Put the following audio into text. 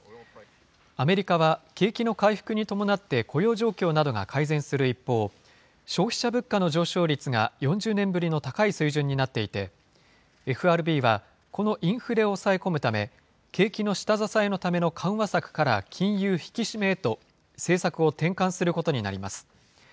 アメリカは、景気の回復に伴って雇用状況などが改善する一方、消費者物価の上昇率が４０年ぶりの高い水準になっていて、ＦＲＢはこのインフレを抑え込むため、景気の下支えのための緩和策から金融引き締めへと、政策を転換することになります。